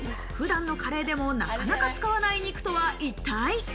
普段のカレーでもなかなか使わない肉とは一体。